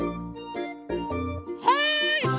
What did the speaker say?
はい！